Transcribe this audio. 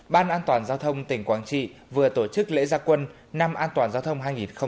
ban an toàn giao thông tỉnh quảng trị vừa tổ chức lễ gia quân năm an toàn giao thông hai nghìn hai mươi